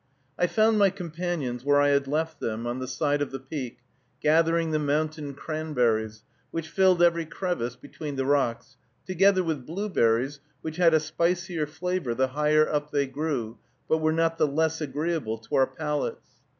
I found my companions where I had left them, on the side of the peak, gathering the mountain cranberries, which filled every crevice between the rocks, together with blueberries, which had a spicier flavor the higher up they grew, but were not the less agreeable to our palates.